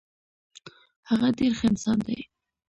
هغه ډیر ښه انسان دی.